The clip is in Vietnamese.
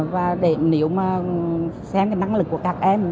và để nếu mà xem cái năng lực của các em